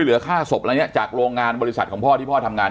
เหลือค่าศพอะไรอย่างนี้จากโรงงานบริษัทของพ่อที่พ่อทำงาน